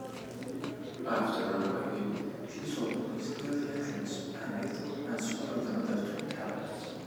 After arriving, she saw police near the entrance, panicked, and swallowed another two tablets.